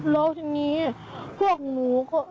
แล้วทีนี้พวกหนูก็